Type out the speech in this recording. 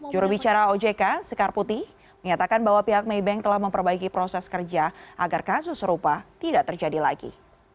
jurubicara ojk sekar putih menyatakan bahwa pihak maybank telah memperbaiki proses kerja agar kasus serupa tidak terjadi lagi